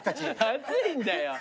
暑いんだよ。